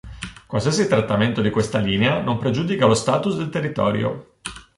Qualsiasi trattamento di questa linea non pregiudica lo status del territorio.